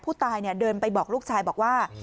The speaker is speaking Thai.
ผู้ตายเดินไปบอกลูกชายบอกว่า